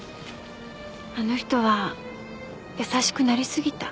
あの人は優しくなりすぎた。